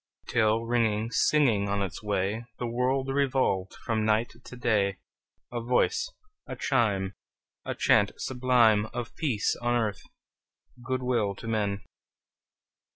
Till, ringing, singing on its way, The world revolved from night to day, A voice, a chime, A chant sublime Of peace on earth, good will to men!